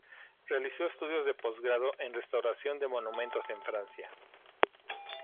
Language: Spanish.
Realizó estudios de posgrado en restauración de monumentos en Francia.